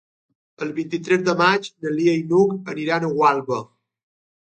El vint-i-tres de maig na Lia i n'Hug aniran a Gualba.